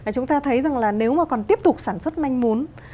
chúng ta thấy rằng là nếu mà còn tiếp tục sản xuất manh mốn